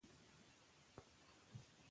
اداري شفافیت د فساد د کمولو لپاره اساسي شرط دی